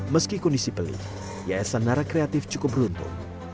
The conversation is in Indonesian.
meski kondisi pelih yayasan narakreatif cukup beruntung